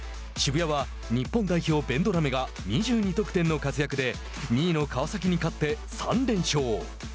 渋谷は、日本代表・ベンドラメが２２得点の活躍で２位の川崎に勝って３連勝。